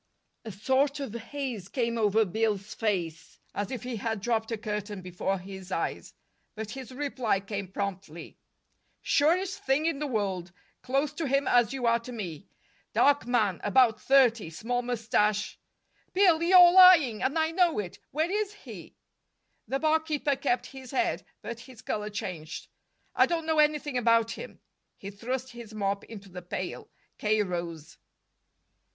A sort of haze came over Bill's face, as if he had dropped a curtain before his eyes. But his reply came promptly: "Surest thing in the world. Close to him as you are to me. Dark man, about thirty, small mustache " "Bill, you're lying, and I know it. Where is he?" The barkeeper kept his head, but his color changed. "I don't know anything about him." He thrust his mop into the pail. K. rose.